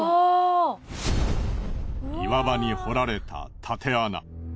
岩場に掘られたたて穴。